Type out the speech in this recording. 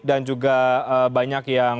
dan juga banyak yang